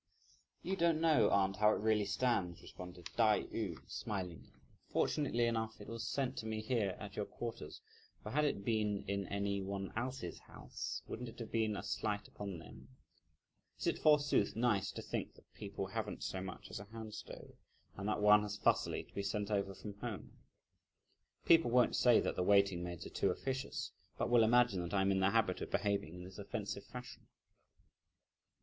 "You don't know, aunt, how it really stands," responded Tai yü smilingly; "fortunately enough, it was sent to me here at your quarters; for had it been in any one else's house, wouldn't it have been a slight upon them? Is it forsooth nice to think that people haven't so much as a hand stove, and that one has fussily to be sent over from home? People won't say that the waiting maids are too officious, but will imagine that I'm in the habit of behaving in this offensive fashion."